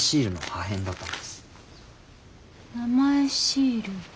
名前シール。